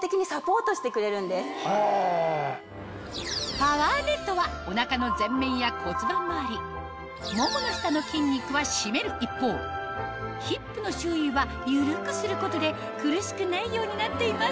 パワーネットはお腹の前面や骨盤周りももの下の筋肉は締める一方ヒップの周囲は緩くすることで苦しくないようになっています